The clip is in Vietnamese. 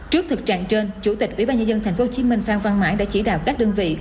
trước thực trạng trên chủ tịch ubnd tp hcm phan văn mãi đã chỉ đạo các đơn vị